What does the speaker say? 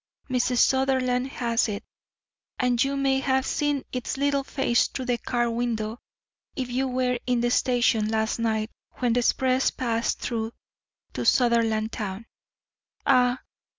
Mrs. Sutherland has it, and you may have seen its little face through the car window if you were in the station last night when the express passed through to Sutherlandtown. Ah!